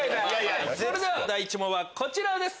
それでは第１問はこちらです。